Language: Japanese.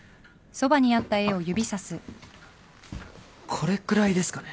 これくらいですかね。